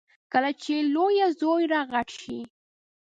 کله چې د لیوه زوی را غټ شي.